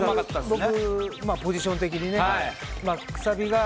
僕、ポジション的にねくさびが。